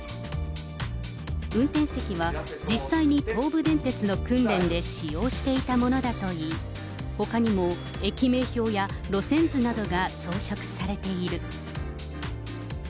運転席は、実際に東武電鉄の訓練で使用していたものだといい、ほかにも駅名表や路線図などが装飾されている。